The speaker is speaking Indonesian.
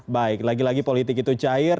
baik lagi lagi politik itu cair